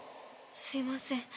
すみません。